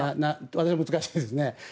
それは難しいですね。